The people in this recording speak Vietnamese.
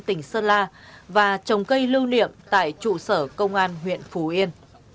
tỉnh sơn la và trồng cây lưu niệm tại trụ sở công an huyện phú yên